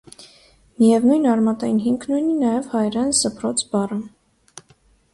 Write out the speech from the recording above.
Միևնույն արմատային հիմքն ունի նաև հայերեն «սբրոց» բառը։